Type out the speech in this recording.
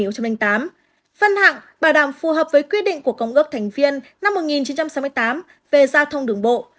phân hạng bảo đảm phù hợp với quy định của công ước thành viên năm một nghìn chín trăm sáu mươi tám về giao thông đường bộ